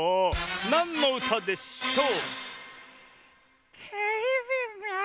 なんのうたでしょう？